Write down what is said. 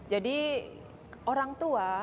jadi orang tua